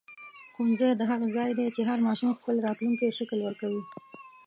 ښوونځی د هغه ځای دی چې هر ماشوم خپل راتلونکی شکل ورکوي.